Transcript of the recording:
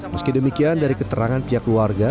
meski demikian dari keterangan pihak keluarga